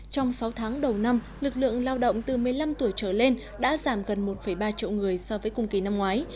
trong sáu tháng đầu năm lực lượng lao động từ một mươi năm tuổi trở lên đã giảm gần một ba triệu người so với cùng kỳ năm ngoái